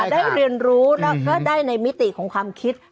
ได้เรียนรู้แล้วก็ได้ในมิติของความคิด